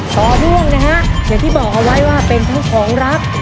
สด้วงนะฮะอย่างที่บอกเอาไว้ว่าเป็นทั้งของรัก